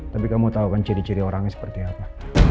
tapi kamu tau kan ciri ciri orangnya seperti apa